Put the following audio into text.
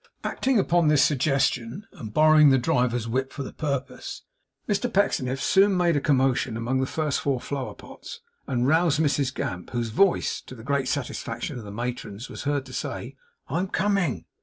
Acting upon this suggestion, and borrowing the driver's whip for the purpose, Mr Pecksniff soon made a commotion among the first floor flower pots, and roused Mrs Gamp, whose voice to the great satisfaction of the matrons was heard to say, 'I'm coming.